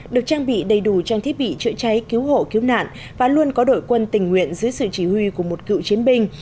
được trang bị đầy đủ trang thiết bị chữa cháy cứu hộ cứu nạn và luôn có đội quân tình nguyện dưới sự chỉ huy của một cựu chiến binh